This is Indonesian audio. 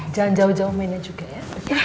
jangan jauh jauh mainnya juga ya